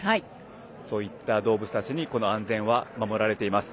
こういった犬たちによって安全は守られています。